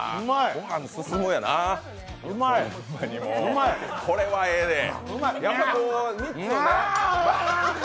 ごはん進むやな、これはええねん。